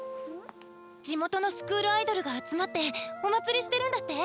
地元のスクールアイドルが集まってお祭りしてるんだって。